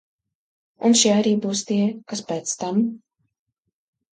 Un šie arī būs tie, kas pēc tam.